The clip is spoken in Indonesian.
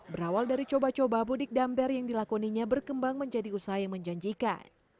berawal dari coba coba budik damper yang dilakoninya berkembang menjadi usaha yang menjanjikan